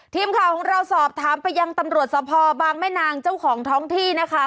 ทีมข่าวของเราสอบถามไปยังตำรวจสภบางแม่นางเจ้าของท้องที่นะคะ